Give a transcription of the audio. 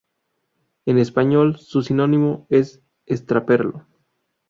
En español, su sinónimo es estraperlo.